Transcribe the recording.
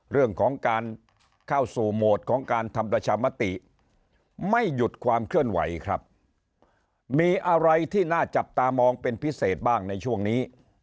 เรื่องของการเข้าสู่โหมดของการทำประชามติไม่หยุดความเคลื่อนไหวครับมีอะไรที่น่าจับตามองเป็นพิเศษบ้างในช่วงนี้